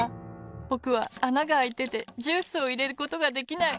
ぼくはあながあいててジュースをいれることができない。